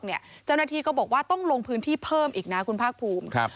เจ้าหน้าที่ก็บอกว่าต้องลงพื้นที่เพิ่มอีกนะคุณภาคภูมิ